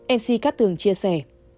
nữ nghệ sĩ cát tường chia sẻ